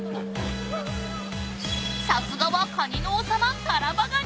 ［さすがはカニの王様タラバガニ］